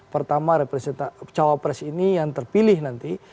pertama jawab pres ini yang terpilih nanti